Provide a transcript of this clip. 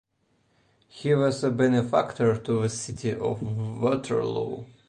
He was a benefactor to the City of Waterloo.